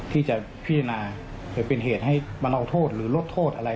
ที่จะพิจารณาหรือเป็นเหตุให้มันเอาโทษหรือลดโทษอะไร